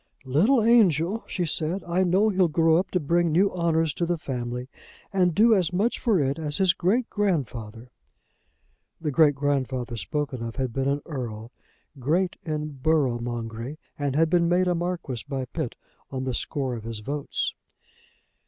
"Little angel!" she said. "I know he'll grow up to bring new honours to the family, and do as much for it as his great grandfather." The great grandfather spoken of had been an earl, great in borough mongery, and had been made a marquis by Pitt on the score of his votes.